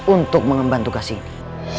untuk mengembang tugas ini